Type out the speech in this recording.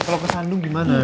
kalo kesandung gimana